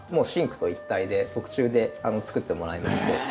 シンクと一体で特注で作ってもらいまして。